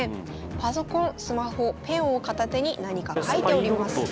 パソコンスマホペンを片手に何か書いております。